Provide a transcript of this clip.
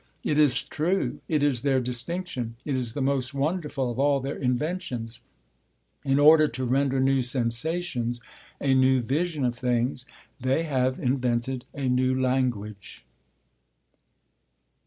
It is true; it is their distinction; it is the most wonderful of all their inventions: in order to render new sensations, a new vision of things, they have invented a new language.